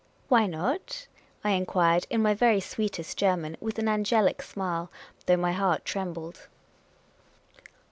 " Why not?" I inquired, in my very sweetest German, with an angelic smile, though my heart trembled.